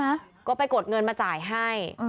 ก็ไปกดเงินมาจ่ายให้